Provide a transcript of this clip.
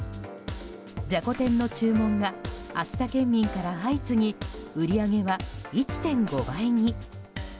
じゃこ天の注文が秋田県民から相次ぎ売り上げは１．５倍に。